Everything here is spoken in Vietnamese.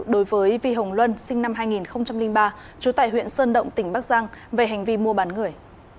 đối với vi hồng luân sinh năm hai nghìn ba trú tại huyện sơn động tỉnh bắc giang về hành vi mua bán người